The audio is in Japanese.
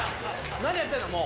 何やってんの、もう。